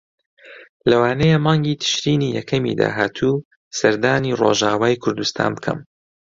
لەوانەیە مانگی تشرینی یەکەمی داهاتوو سەردانی ڕۆژاوای کوردستان بکەم.